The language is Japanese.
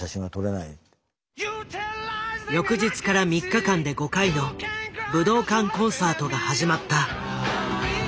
翌日から３日間で５回の武道館コンサートが始まった。